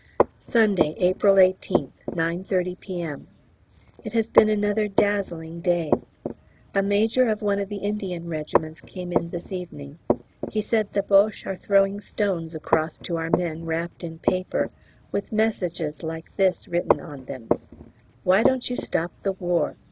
Sunday, April 18th, 9.30 P.M. It has been another dazzling day. A major of one of the Indian regiments came in this evening. He said the Boches are throwing stones across to our men wrapped in paper with messages like this written on them, "Why don't you stop the War?